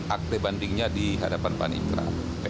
akte bandingnya di hadapan pan istra